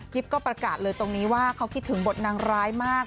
ก็ประกาศเลยตรงนี้ว่าเขาคิดถึงบทนางร้ายมาก